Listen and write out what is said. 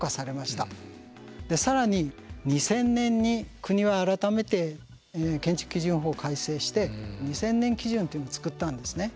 更に２０００年に国は改めて建築基準法を改正して２０００年基準というのを作ったんですね。